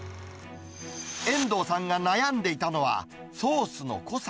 遠藤さんが悩んでいたのは、ソースの濃さ。